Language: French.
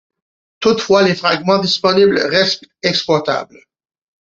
Toutefois, les fragments disponibles restent exploitables.